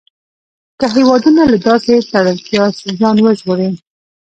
که هېوادونه له داسې تړلتیا ځان وژغوري.